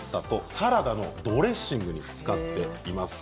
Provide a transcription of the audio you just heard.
サラダのドレッシングに使っていました。